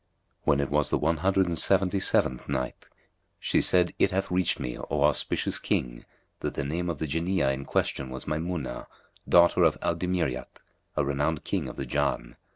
When it was the One Hundred and Seventy seventh Night, She said, It hath reached me, O auspicious King, that the name of the Jinniyah in question was Maymunah, daughter of Al Dimiryat; a renowned King of the Jann.